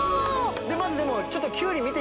まずでもちょっと。